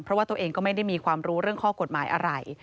เพราะว่าตัวเองก็ไม่ได้มีความรู้เรื่องข้อกฎหมายอะไร